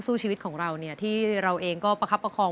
สู้ชีวิตของเราเนี่ยที่เราเองก็ประคับประคอง